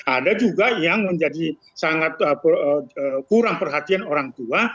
ada juga yang menjadi sangat kurang perhatian orang tua